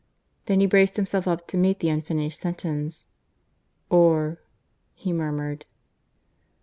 Then he braced himself up to meet the unfinished sentence. "Or " he murmured.